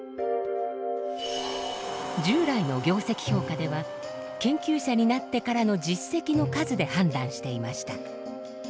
従来の業績評価では研究者になってからの実績の数で判断していました。